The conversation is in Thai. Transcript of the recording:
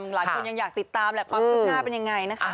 หลายคนยังอยากติดตามความภูมิหน้าเป็นอย่างไรนะคะ